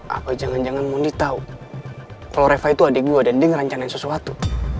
tidak jangan jangan mondi tau kalo reva itu adik gue dan dia ngerancanain sesuatu